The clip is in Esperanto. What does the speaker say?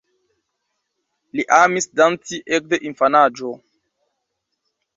Li amis danci ekde infanaĝo.